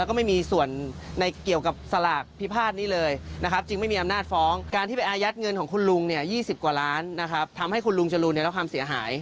กว่าล้านทำให้คุณลุงจรูนมีความเสียหาย